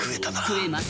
食えます。